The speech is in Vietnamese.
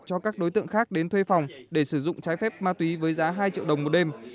cho các đối tượng khác đến thuê phòng để sử dụng trái phép ma túy với giá hai triệu đồng một đêm